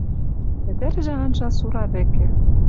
Ӹдӹржӹ анжа Сура вӹкӹ